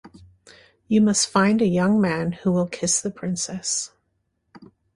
You must find a young man who will kiss the princess.